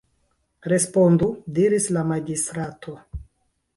Respondu, diris la magistrato.